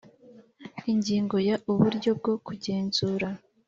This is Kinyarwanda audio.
Ingingo ya uburyo bwo kugenzura